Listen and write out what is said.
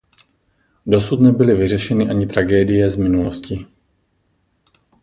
Dosud nebyly vyřešeny ani tragédie z minulosti.